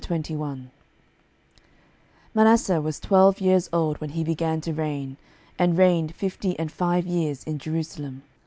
12:021:001 Manasseh was twelve years old when he began to reign, and reigned fifty and five years in Jerusalem.